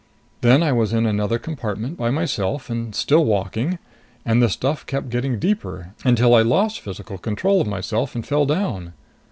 Then I was in another compartment by myself and still walking, and the stuff kept getting deeper, until I lost physical control of myself and fell down.